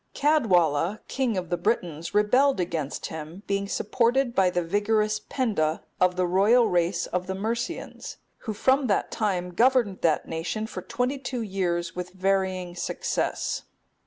Caedwalla,(270) king of the Britons, rebelled against him, being supported by the vigorous Penda, of the royal race of the Mercians, who from that time governed that nation for twenty two years with varying success.